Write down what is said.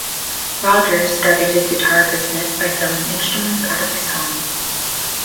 Rogers started his guitar business by selling instruments out of his home.